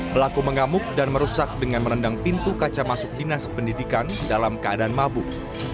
pelaku mengamuk dan merusak dengan merendang pintu kaca masuk dinas pendidikan dalam keadaan mabuk